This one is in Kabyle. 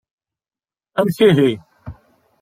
Amek ihi!